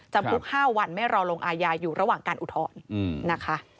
จำคุก๕วันไม่รอลงอาญาอยู่ระหว่างการอุทธรณ์นะคะ